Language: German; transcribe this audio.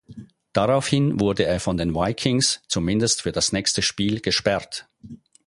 Daraufhin wurde er von den Vikings zumindest für das nächste Spiel gesperrt.